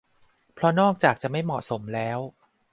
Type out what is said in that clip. เพราะนอกจากจะไม่เหมาะสมแล้ว